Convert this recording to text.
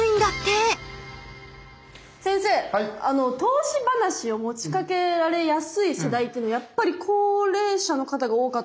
先生投資話を持ちかけられやすい世代っていうのやっぱり高齢者の方が多かったりするんですか？